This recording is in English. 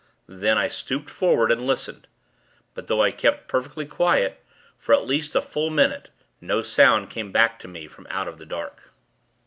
Then, I stooped forward, and listened; but, though I kept perfectly quiet, for at least a full minute, no sound came back to me from out of the dark.